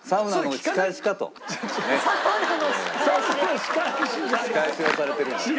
仕返しをされてるんじゃ。